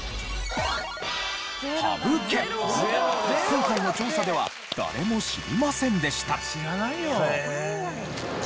今回の調査では誰も知りませんでした。